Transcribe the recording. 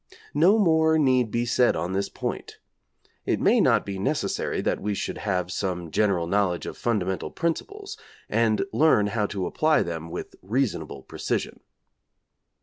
No more need be said on this point. It may not be necessary that we should have some general knowledge of fundamental principles, and learn how to apply them with reasonable precision.